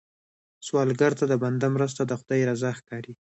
سوالګر ته د بنده مرسته، د خدای رضا ښکاري